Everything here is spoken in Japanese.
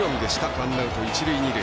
ワンアウト、一塁二塁。